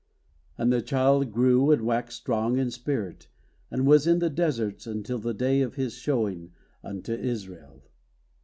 And the child grew, and waxed strong in spirit, and was in the deserts until the day of his showing unto Israel.